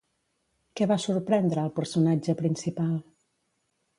Què va sorprendre el personatge principal?